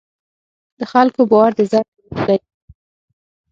د خلکو باور د زر قیمت لري.